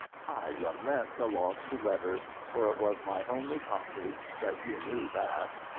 "I lament the loss to letters, for it was my only copy. But you knew that."